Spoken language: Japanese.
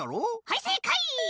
はいせいかい！